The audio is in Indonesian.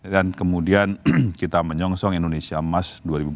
dan kemudian kita menyongsong indonesia mas dua ribu empat puluh lima